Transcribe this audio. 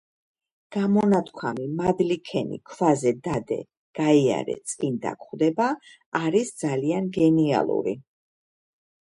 გამონათქვამი ''მადლი ქენი ქვაზე დადე გაიარე წინ დაგხვდება'' არის ძალიან გენიალური